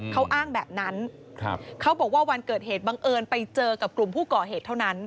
เขาอ้างแบบนั้นเขาบอกว่าวันเกิดเหตุบังเอิญไปเจอกับกลุ่มผู้ก่อเหตุเท่านั้น